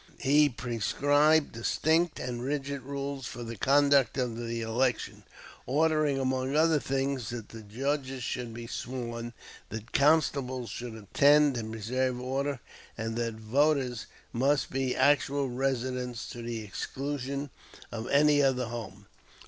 He prescribed distinct and rigid rules for the conduct of the election; ordering among other things that the judges should be sworn, that constables should attend and preserve order, and that voters must be actual residents to the exclusion of any other home.